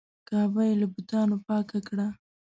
کعبه یې له بتانو پاکه کړه.